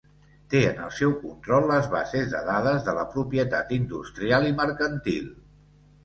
Té en el seu control les bases de dades de la propietat industrial i mercantil.